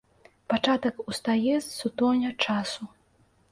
Пачатак устае з сутоння часу.